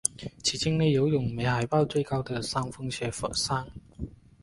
其境内有永春海报最高的山峰雪山。